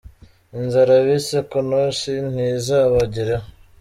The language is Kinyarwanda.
Inzara bise Konoshi ntizabageraho